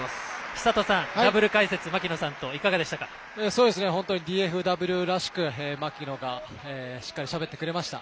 寿人さん、ダブル解説槙野さんとＤＦＷらしく槙野がしっかりしゃべってくれました。